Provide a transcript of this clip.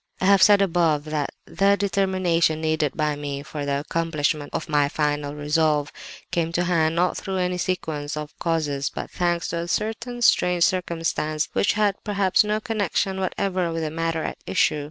"I have said above that the determination needed by me for the accomplishment of my final resolve, came to hand not through any sequence of causes, but thanks to a certain strange circumstance which had perhaps no connection whatever with the matter at issue.